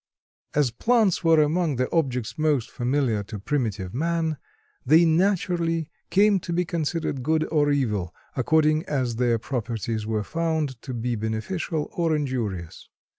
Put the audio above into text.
As plants were among the objects most familiar to primitive man, they naturally came to be considered good or evil, according as their properties were found to be beneficial or injurious.